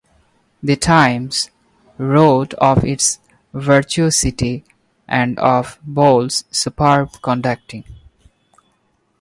"The Times" wrote of its "virtuosity" and of Boult's "superb" conducting.